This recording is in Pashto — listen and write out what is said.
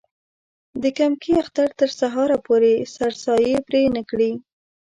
د کمکي اختر تر سهاره پورې سرسایې پرې نه کړي.